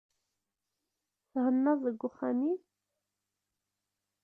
Thennaḍ deg uxxam-im?